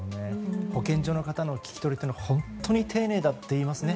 保健所の方の聞き取りって本当に丁寧だっていいますね。